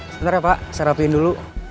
sebentar ya pak saya rapiin dulu